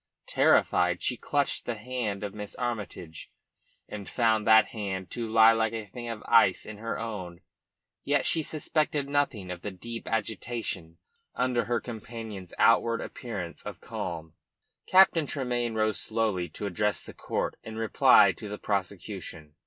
Terrified, she clutched the hand of Miss Armytage, and found that hand to lie like a thing of ice in her own, yet she suspected nothing of the deep agitation under her companion's outward appearance of calm. Captain Tremayne rose slowly to address the court in reply to the prosecution.